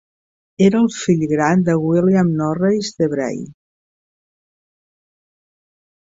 Era el fill gran de William Norreys, de Bray.